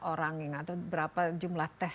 orang yang atau berapa jumlah tes